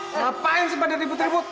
ngapain sih pada ribut ribut